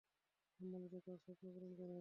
সম্মিলিত কাজ স্বপ্ন পূরণ করে!